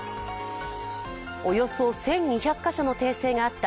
およそ１２００か所の訂正があった